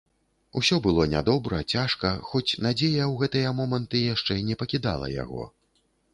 Усё было нядобра, цяжка, хоць надзея ў гэтыя моманты яшчэ не пакідала яго.